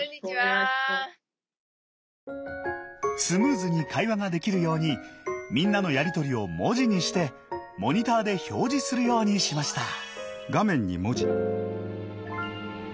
スムーズに会話ができるようにみんなのやり取りを文字にしてモニターで表示するようにしました。